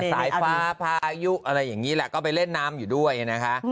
สายฟ้าพายุอะไรอย่างนี้แหละก็ไปเล่นน้ำอยู่ด้วยนะคะ